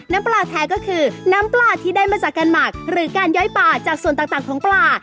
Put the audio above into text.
น้ำปลาแท้ก็คือน้ำปลาที่ได้มาจากการหมักหรือการย้อยปลาจากส่วนต่างของปลา